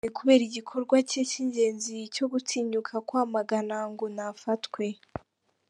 None kubera igikorwa cye cy’ingenzi cyogutinyuka kumwamagana ngo ni afatwe!